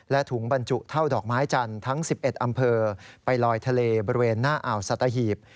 และถุงบรรจุเท่าดอกไม้จันทร์ทั้ง๑๑อำเภอไปลอยทะเลบริเวณหน้าอ่าวสัตหีบ